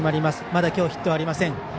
まだ今日、ヒットがありません。